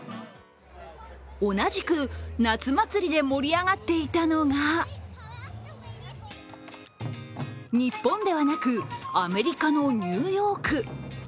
同じく夏祭りで盛り上がっていたのが日本ではなく、アメリカのニューヨーク。